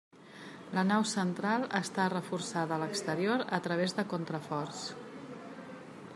La nau central està reforçada a l'exterior a través de contraforts.